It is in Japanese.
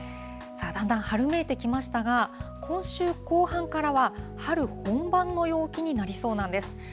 だんだん春めいてきましたが、今週後半からは春本番の陽気になりそうなんです。